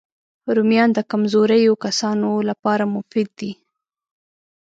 رومیان د کمزوریو کسانو لپاره مفید دي